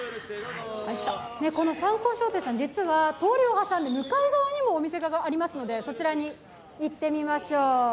この三幸商店さん実は通りを挟んで向かい側にもお店がありますので、そちらに行ってみましょう。